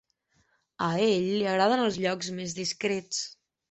A ell li agraden els llocs més discrets.